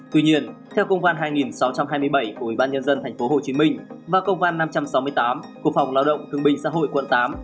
tuy nhiên theo công văn hai nghìn sáu trăm hai mươi bảy của ủy ban nhân dân tp hcm và công văn năm trăm sáu mươi tám của phòng lao động thương binh xã hội quận tám